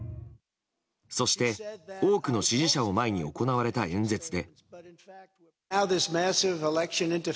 そして、多くの支持者を前に行われた演説で。